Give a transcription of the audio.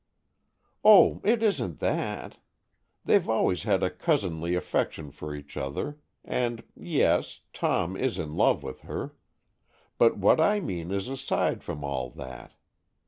"Oh, it isn't that. They've always had a cousinly affection for each other, and,—yes, Tom is in love with her,—but what I mean is aside from all that.